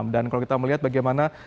dan kalau kita melihat bagaimana